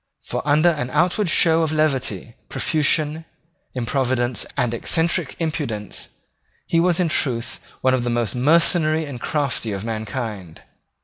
For under an outward show of levity, profusion, improvidence, and eccentric impudence, he was in truth one of the most mercenary and crafty of mankind.